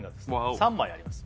３枚あります